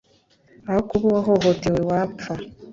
aho kuba uwahohotewe wapfa